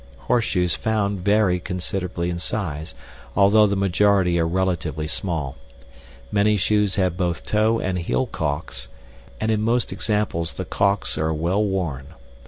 Horseshoes found vary considerably in size, although the majority are relatively small. Many shoes have both toe and heel calks, and in most examples the calks are well worn.